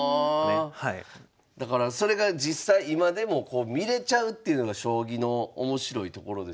だからそれが実際今でも見れちゃうというのが将棋の面白いところですよね。